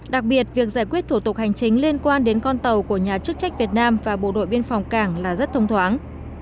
đặc biệt việc giải quyết thủ tục hành chính liên quan đến con tàu của nhà chức trách việt nam và bộ đội biên phòng cảng là rất thông thoáng